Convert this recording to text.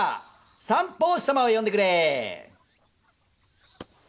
三法師様を呼んでくれ！